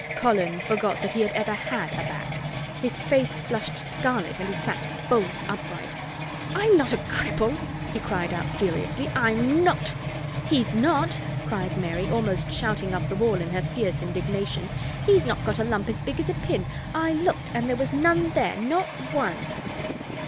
Colin forgot that he had ever had a back. His face flushed scarlet and he sat bolt upright. "I'm not a cripple!" he cried out furiously. "I'm not!" "He's not!" cried Mary, almost shouting up the wall in her fierce indignation. "He's not got a lump as big as a pin! I looked and there was none there—not one!"